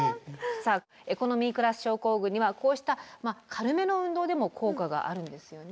さあエコノミークラス症候群にはこうした軽めの運動でも効果があるんですよね。